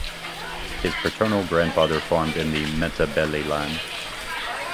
His paternal grandfather farmed in Matabeleland.